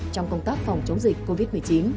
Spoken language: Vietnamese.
trong công tác phòng chống dịch covid một mươi chín